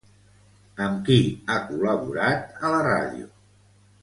Amb qui ha col·laborat a la ràdio?